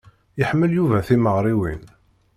Iḥemmel Yuba timeɣṛiwin.